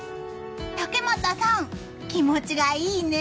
竹俣さん、気持ちがいいね！